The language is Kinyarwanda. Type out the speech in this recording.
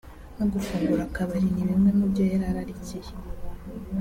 no gufungura akabari ni bimwe mu byo yari ararikiye